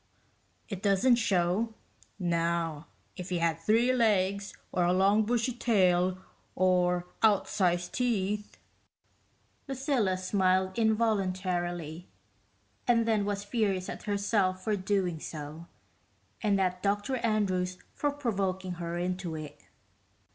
It doesn't show. Now if you had three legs, or a long bushy tail, or outsized teeth...." Lucilla smiled involuntarily, and then was furious at herself for doing so and at Dr Andrews for provoking her into it.